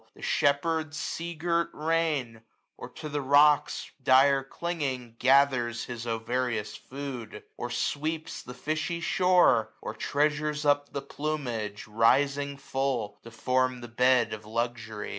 The shepherd's sea girt reign; or, to the rocks Dire clinging, gathers his ovarious food ; Or sweeps the fishy shore } or treasures up The plumage, rising full, to form the bed 87^ Of luxury.